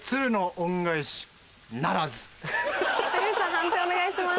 判定お願いします。